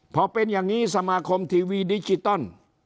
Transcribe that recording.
พอเป็นอย่างนี้สมาคมทีวีดิจิตอล